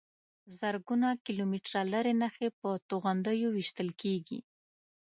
زرګونه کیلومتره لرې نښې په توغندیو ویشتل کېږي.